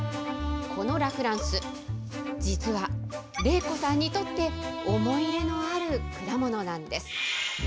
このラ・フランス、実は麗子さんにとって思い入れのある果物なんです。